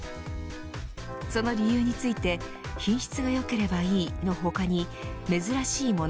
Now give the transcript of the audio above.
その理由について品質が良ければいい、の他に珍しいもの